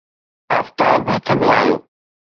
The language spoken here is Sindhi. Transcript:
آفتاب هٿ ۾ آيو